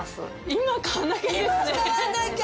今買わなきゃ。